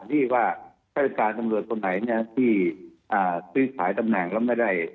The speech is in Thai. ที่ว่าแรกทางการตำรวจที่ซื้อสายตำแหน่งแล้วไม่ได้